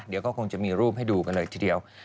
เราก็คงจะมีรูปให้ดูกันเลยชีวิตเดียว